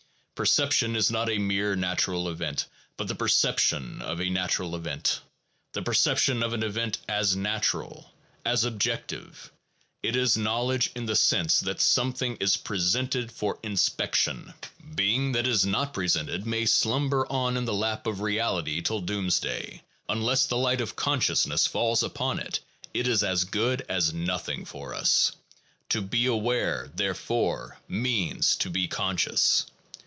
Perception is not a mere natural event, but the perception of a natural event, the perception of an event as natural, as objective. It is knowledge in the sense that some thing is presented for inspection. Being that is not presented may slumber on in the lap of reality till doomsday; unless the light of consciousness falls upon it, it is as good as nothing for us. To be aware, therefore, means to be conscious.